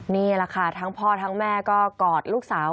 นี่แหละค่ะทั้งพ่อทั้งแม่ก็กอดลูกสาว